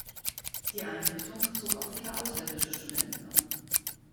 Die Einrichtung zog auch viele ausländische Studenten an.